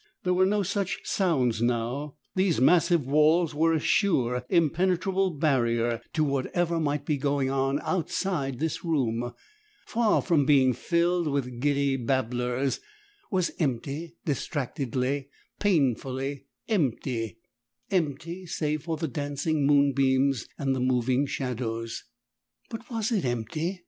There were no such sounds now; these massive walls were a sure, impenetrable barrier to whatever might be going on outside this room far from being filled with giddy babblers was empty, distractedly, painfully EMPTY, empty save for the dancing moonbeams and the moving shadows. But was it empty?